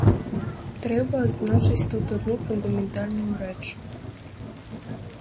Трэба адзначыць тут адну фундаментальную рэч.